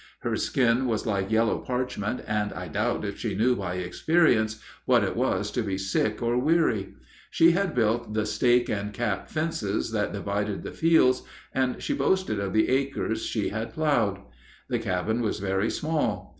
Her skin was like yellow parchment, and I doubt if she knew by experience what it was to be sick or weary. She had built the stake and cap fences that divided the fields, and she boasted of the acres she had plowed. The cabin was very small.